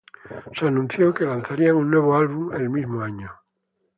Se anunció que lanzarían un nuevo álbum el mismo año.